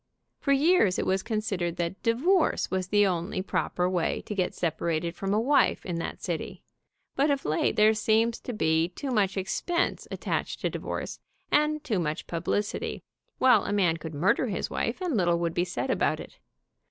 For years it was con sidered that divorce was the only proper way to get separated from a wife in that city, but of late there seems to be too much expense attached to divorce, and too much publicity, while a man could murder his wife and little would be said about it.